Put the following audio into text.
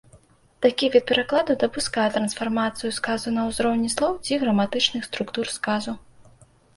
Такі від перакладу дапускае трансфармацыі сказу на ўзроўні слоў ці граматычных структур сказу.